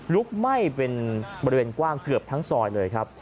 ลุกไหม้เป็นบริเวณกว้างเกือบทั้งซอยเลยครับ